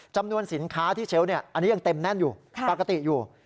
จำนวนสินค้าที่เชลล์อันนี้ยังเต็มแน่นอยู่ปกติอยู่